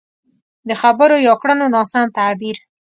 د خبرو يا کړنو ناسم تعبير.